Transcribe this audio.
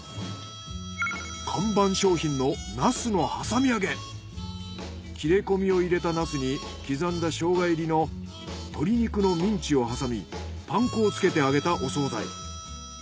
看板商品の切れ込みを入れたなすに刻んだショウガ入りの鶏肉のミンチをはさみパン粉をつけて揚げたお惣菜。